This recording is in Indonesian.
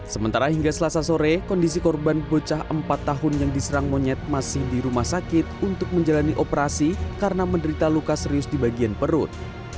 sementara hingga selasa sore kondisi korban bocah empat tahun yang diserang monyet masih di rumah sakit untuk menjalani operasi karena menderita luka serius di bagian perut